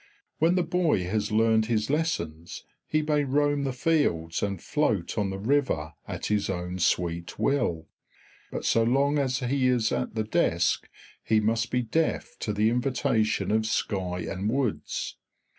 When the boy has learned his lessons he may roam the fields and float on the river at his own sweet will; but so long as he is at the desk he must be deaf to the invitation of sky and woods.